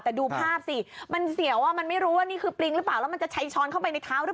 แต่ดูภาพสิมันเสียวอ่ะ